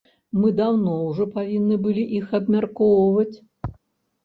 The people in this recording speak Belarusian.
Мы даўно ўжо павінны былі іх абмяркоўваць.